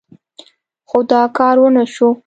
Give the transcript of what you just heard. خو دا کار ونه شو.